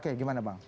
oke oke gimana bang